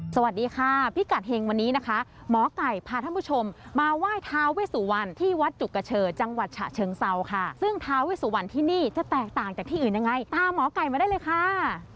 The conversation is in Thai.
สวัสดีค่ะพิกัดเฮงวันนี้นะคะหมอไก่พาท่านผู้ชมมาไหว้ทาเวสุวรรณที่วัดจุกเชอจังหวัดฉะเชิงเซาค่ะซึ่งท้าเวสุวรรณที่นี่จะแตกต่างจากที่อื่นยังไงตามหมอไก่มาได้เลยค่ะ